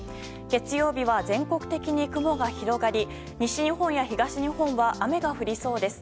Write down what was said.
月曜日は全国的に雲が広がり西日本や東日本は雨が降りそうです。